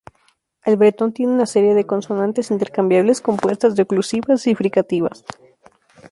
El bretón tiene una serie de consonantes "intercambiables" compuestas de oclusivas y fricativas.